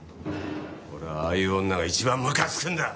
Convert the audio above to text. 俺はああいう女が一番むかつくんだ！